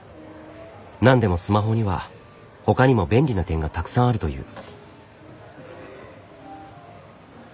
なんでもスマホには他にも便利な点がたくさんあるという。